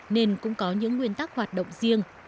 nên cũng có những nguyên tắc hoạt động riêng